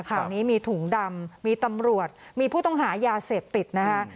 ข่าวนี้มีถุงดำมีตำรวจมีผู้ต้องหายาเสพติดนะคะ